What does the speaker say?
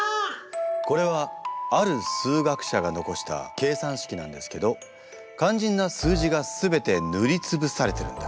これはある数学者が残した計算式なんですけど肝心な数字が全て塗り潰されてるんだ。